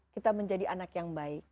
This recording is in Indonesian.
kita menjadi anak yang baik